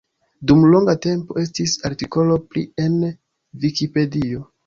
Dum longa tempo estis artikolo pri en Vikipedio.